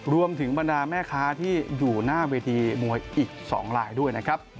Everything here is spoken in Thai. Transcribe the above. บรรดาแม่ค้าที่อยู่หน้าเวทีมวยอีก๒ลายด้วยนะครับ